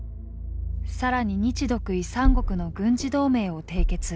更に日独伊三国の軍事同盟を締結。